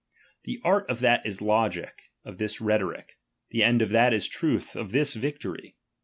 The art ^H of that is logic, of this rhetoric ; the end of that ^H is truth, of this victory.